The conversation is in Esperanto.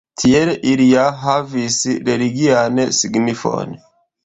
Tiel ili ja havis religian signifon.